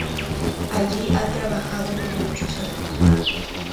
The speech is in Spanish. Allí ha trabajado por muchos años.